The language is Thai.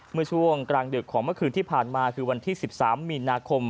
เมื่อช่วงกลางดึกของเมื่อคืนที่ผ่านมาคือวันที่๑๓มีนาคม